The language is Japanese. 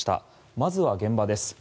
まずは現場です。